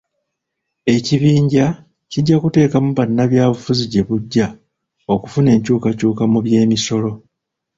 Ekibinja kijja kuteekamu bannabyabufuzi gye bujja okufuna enkyukakyuka mu by'emisolo.